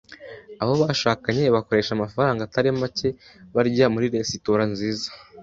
Abo bashakanye bakoresha amafaranga atari make barya muri resitora nziza.